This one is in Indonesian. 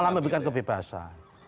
malah memberikan kebebasan